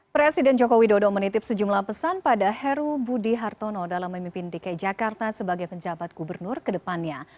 presiden joko widodo menitip sejumlah pesan pada heru budi hartono dalam memimpin dki jakarta sebagai penjabat gubernur ke depannya